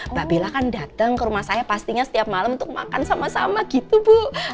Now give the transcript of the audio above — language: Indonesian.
mbak bela kan datang ke rumah saya pastinya setiap malam untuk makan sama sama gitu bu